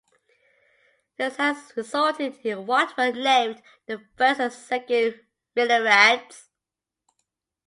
This has resulted in what were named the first and second Mineriads.